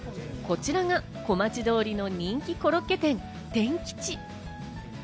こちらが小町通りの人気コロッケ店・てんきち。